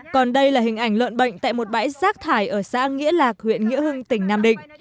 còn đây là hình ảnh lợn bệnh tại một bãi rác thải ở xã nghĩa lạc huyện nghĩa hưng tỉnh nam định